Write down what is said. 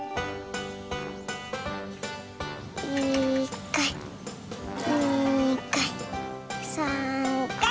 １かい２かい３かい！